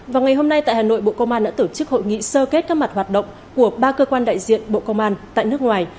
vào ngày hôm nay tại hà nội bộ công an đã tổ chức hội nghị sơ kết các mặt hoạt động của ba cơ quan đại diện bộ công an tại nước ngoài